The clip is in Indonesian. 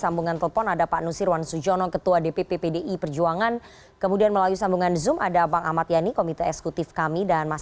meskipun itu disampaikan